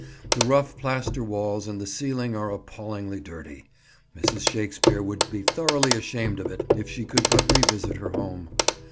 The rough plaster walls and the ceiling are appallingly dirty; Mrs. Shakespeare would be thoroughly ashamed of it, if she could but revisit her home.